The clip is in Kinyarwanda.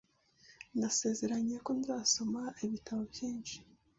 Nasezeranye ko nzasoma ibitabo byinshi.